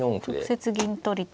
直接銀取りと。